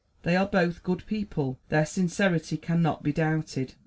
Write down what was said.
They are both good people; their sincerity can not be doubted.